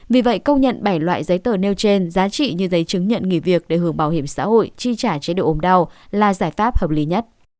vì vậy công nhận bảy loại giấy tờ nêu trên giá trị như giấy chứng nhận nghỉ việc để hưởng bảo hiểm xã hội chi trả chế độ ồm đau là giải pháp hợp lý nhất